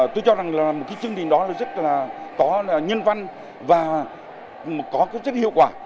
tôi cho rằng là một chương trình đó rất là có nhân văn và có rất hiệu quả